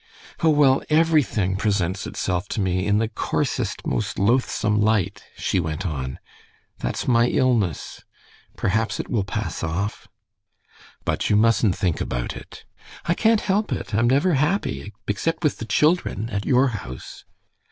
"Oh, well, everything presents itself to me, in the coarsest, most loathsome light," she went on. "That's my illness. Perhaps it will pass off." "But you mustn't think about it." "I can't help it. I'm never happy except with the children at your house."